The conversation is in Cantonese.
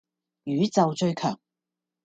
宇宙最強